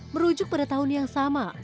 merujuk pada tahun yang sama